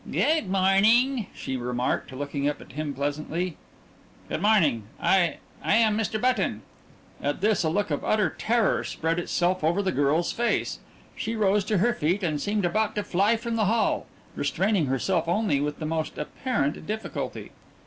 "Good morning," she remarked, looking up at him pleasantly. "Good morning. I I am Mr. Button." At this a look of utter terror spread itself over the girl's face. She rose to her feet and seemed about to fly from the hall, restraining herself only with the most apparent difficulty.